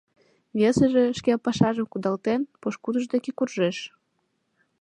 Весыже, шке пашажым кудалтен, пошкудыж дек куржеш.